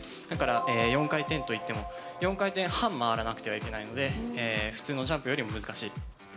だから４回転といっても、４回転半回らなくてはいけないので、普通のジャンプよりも難しい。